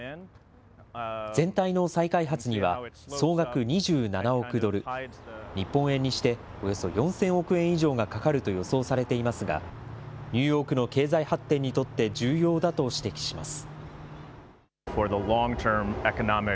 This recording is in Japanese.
全体の再開発には、総額２７億ドル、日本円にしておよそ４０００億円以上がかかると予想されていますが、ニューヨークの経済発展にとって重要だと指摘します。